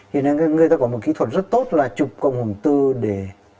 thì người ta có một kỹ thuật rất tốt là chụp cộng hưởng tư để